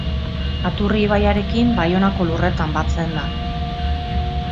Aturri ibaiarekin, Baionako lurretan batzen da.